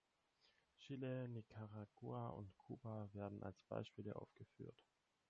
Chile, Nicaragua und Kuba werden als Beispiele aufgeführt.